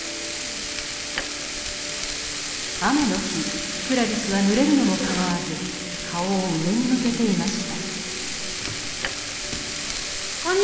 雨の日クラリスはぬれるのも構わず顔を上に向けていました。